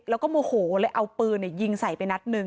แล้วก็โมโหเลยเอาปืนยิงใส่ไปนัดหนึ่ง